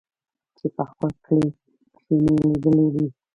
چې په خپل کلي کښې مې ليدلې وې.